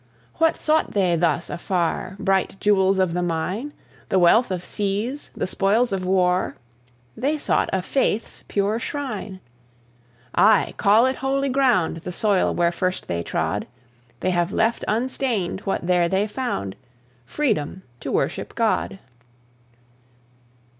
What sought they thus afar? Bright jewels of the mine? The wealth of seas, the spoils of war? They sought a faith's pure shrine! Ay! call it holy ground, The soil where first they trod: They have left unstained what there they found, Freedom to worship God.